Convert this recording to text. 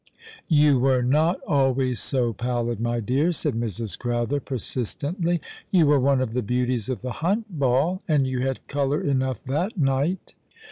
''You were not always so pallid, my dear," said Mrs. Crowther, persistently. " You were one of the beauties of the Hunt Ball, and you had colour enough that night."